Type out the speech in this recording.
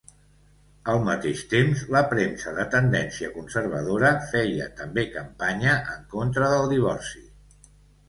Al mateix temps, la premsa de tendència conservadora feia també campanya en contra del divorci.